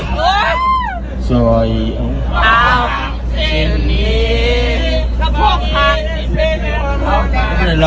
มันเราทรโรคแน้นอสี